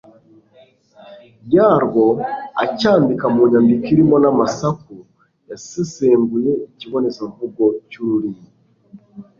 yarwo, acyandika mu nyandiko irimo n'amasaku. yasesenguye ikibonezamvugo cy'ururimi